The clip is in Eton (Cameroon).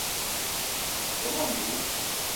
Ve ma mbou.